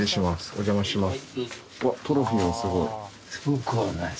お邪魔します